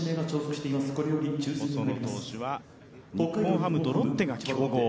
細野投手は日本ハムとロッテが競合。